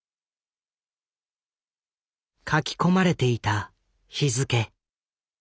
書き込まれていた日付。